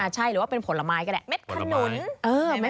ใช่หรือว่าเป็นผลไม้ก็ได้